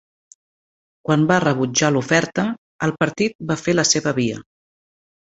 Quan va rebutjar la oferta, el partit va fer la seva via.